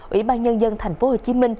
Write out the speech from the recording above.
ủy ban nhân dân tp hcm